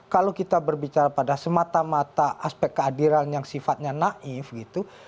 kalau kita berbicara pada semata mata aspek keadilan yang sifatnya naif gitu